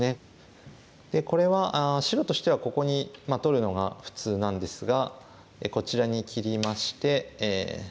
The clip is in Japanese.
これは白としてはここに取るのが普通なんですがこちらに切りまして。